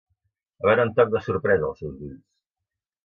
Va veure un toc de sorpresa als seus ulls.